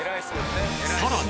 さらに